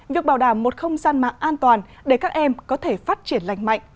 việc bảo đảm một không gian mạng an toàn để các em có thể phát triển lành mạnh